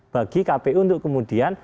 bagi kpu untuk kemudian